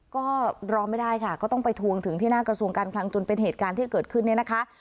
ก็รอไม่ได้ค่ะก็ต้องไปทวงถึงที่หน้ากระทรวงการคลังจนเป็นเหตุการณ์ที่เกิดขึ้นเนี่ยนะคะ